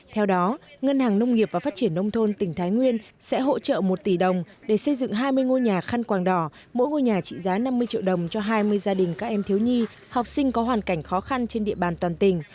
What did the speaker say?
theo đó ngân hàng nông nghiệp và phát triển nông thôn tỉnh thái nguyên sẽ hỗ trợ một tỷ đồng để xây dựng hai mươi ngôi nhà khăn quàng đỏ mỗi ngôi nhà trị giá năm mươi triệu đồng cho hai mươi gia đình các em thiếu nhi học sinh có hoàn cảnh khó khăn trên địa bàn toàn tỉnh